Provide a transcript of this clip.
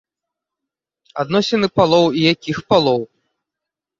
Адносіны палоў, і якіх палоў!